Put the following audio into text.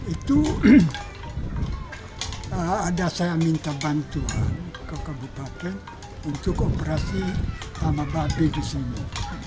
itu ada saya minta bantuan ke kabupaten untuk operasi sama babi di sini